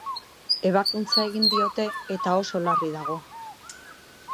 Ebakuntza egin diote, eta oso larri dago.